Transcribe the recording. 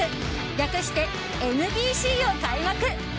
略してＮＢＣを開幕！